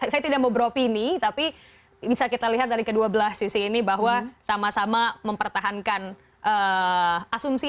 saya tidak mau beropini tapi bisa kita lihat dari kedua belah sisi ini bahwa sama sama mempertahankan asumsi